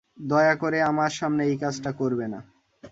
দয়া করে আমার সামনে এই কাজটা করবে না।